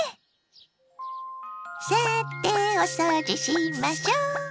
さてお掃除しましょ！